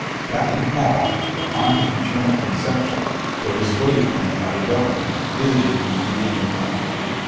Capt. Hall, upon his return to Conception, though dissuaded from it by the governor, visited the Indian encampment.